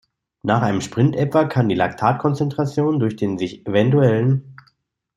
Nach einem Sprint etwa kann die Laktat-Konzentration durch den sich evtl.